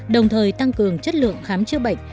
đồng thời tăng cường chất lượng khám chữa bệnh